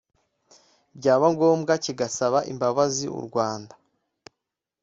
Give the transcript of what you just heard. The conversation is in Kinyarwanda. byaba ngombwa kigasaba imbabazi u Rwanda